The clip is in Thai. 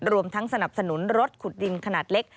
รวมทั้งสนับสนุนรถขุดดินขนาดเล็ก